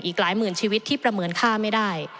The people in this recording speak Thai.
อีกหลายหมื่นชีวิตที่ประเมินค่าไม่ได้